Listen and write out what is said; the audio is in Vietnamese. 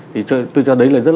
thì tôi cho thấy là rất là tốt